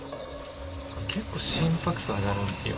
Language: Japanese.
結構心拍数上がるんですよ。